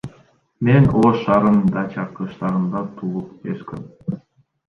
Мен Ош шаарынын Дача кыштагында туулуп өскөм.